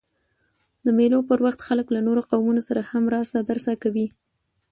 د مېلو پر وخت خلک له نورو قومونو سره هم راسه درسه کوي.